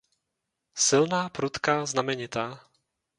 Silná, prudká, znamenitá.